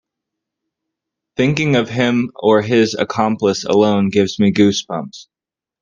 Thinking of him or his accomplice alone gives me goose bumps.